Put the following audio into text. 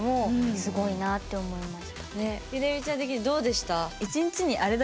ちゃん的にどうでした？